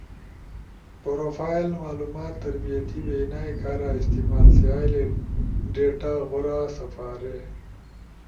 پروفائل معلومات تربیتی وینا ئی کارا استعمال تھیالے ڈیٹا غورا سپاری۔